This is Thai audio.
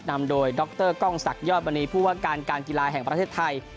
นำโดยดรกล้องศักดิยอดมณีผู้ว่าการการกีฬาแห่งประเทศไทย